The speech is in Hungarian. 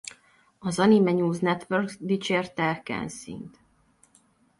Az Anime News Network dicsérte Kensint.